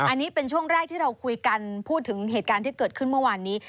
อันนี้เป็นช่วงแรกที่เราคุยกันพูดถึงเหตุการณ์ที่เกิดขึ้นเมื่อวานนี้